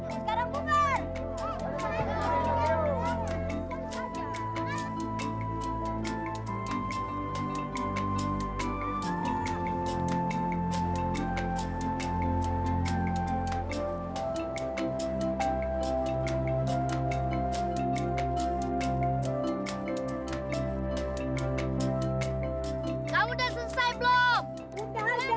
oke sekarang bapak bapak ibu ibu sekarang bukan